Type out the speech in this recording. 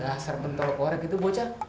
rasar bentol korek itu bocet